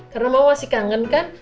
karena mama masih kangen kan